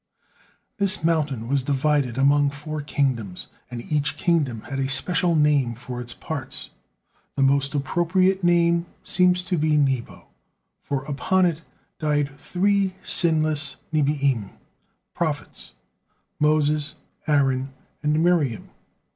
This mountain was divided among four kingdoms, and each kingdom had a special name for its parts. The most appropriate name seems to be Nebo, for upon it died three sinless nebi'im, "prophets," Moses, Aaron and Miriam.